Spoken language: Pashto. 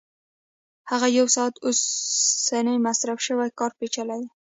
هغه یو ساعت اوسنی مصرف شوی کار پېچلی دی